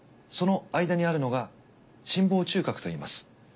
その間にあるのが心房中隔といいます。